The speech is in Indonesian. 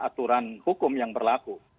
aturan hukum yang berlaku